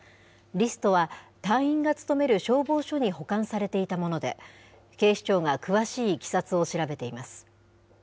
リストは隊員が勤める消防署に保管されていたもので、警視庁が詳しいいきさつを調べています。